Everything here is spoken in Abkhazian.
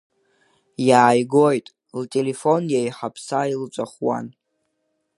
Иааигоит, лтелефон еихаԥса илҵәахуан.